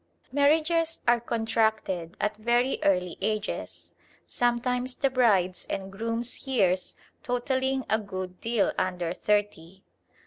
Marriages are contracted at very early ages, sometimes the bride's and groom's years totalling a good deal under thirty.